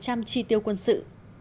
đề xuất tăng một mươi chi tiêu quân sự